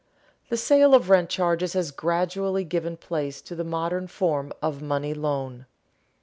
_The sale of rent charges has gradually given place to the modern form of money loan.